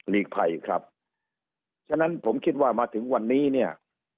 ลีกภัยครับฉะนั้นผมคิดว่ามาถึงวันนี้เนี่ย